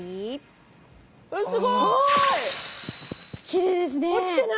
きれいですね。